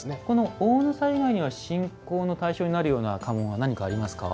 大幣以外には信仰の対象になるような家紋は何かありますか？